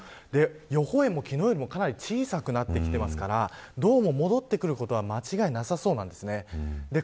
予報円も昨日よりかなり小さくなってきていますからどうも、戻ってくることは間違いなさそうです。